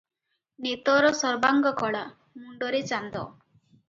ନେତର ସର୍ବାଙ୍ଗ କଳା, ମୁଣ୍ତରେ ଚାନ୍ଦ ।